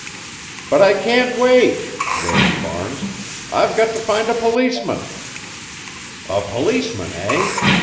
"But I can't wait," wailed Barnes. "I've got to find a policeman." "A policeman, eh?